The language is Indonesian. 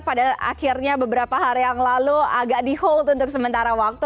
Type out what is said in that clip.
pada akhirnya beberapa hari yang lalu agak di hold untuk sementara waktu